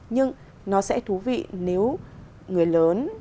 nhưng nó sẽ thú vị nếu người lớn